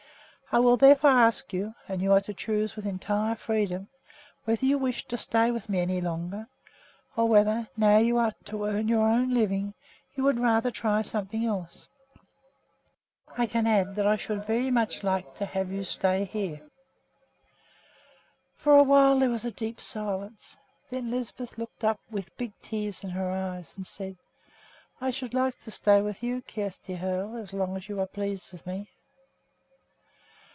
I will therefore ask you and you are to choose with entire freedom whether you wish to stay here with me any longer, or whether, now that you are to earn your own living, you would rather try something else. I can add that I should like very much to have you stay here." For a while there was a deep silence. Then Lisbeth looked up with big tears in her eyes and said, "I should like to stay with you, Kjersti Hoel, as long as you are pleased with me."